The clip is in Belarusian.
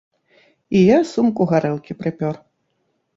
І я сумку гарэлкі прыпёр.